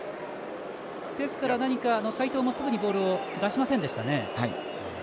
ですから齋藤もすぐにボールを出しませんでしたね。